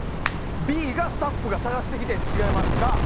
Ｂがスタッフが探してきたやつ違いますか？